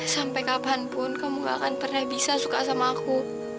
sampai kapanpun kamu gak akan pernah bisa suka sama aku